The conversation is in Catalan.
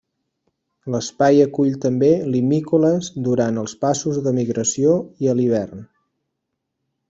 L’espai acull també limícoles durant els passos de migració i a l'hivern.